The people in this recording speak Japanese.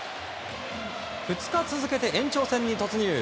２日続けて延長戦に突入。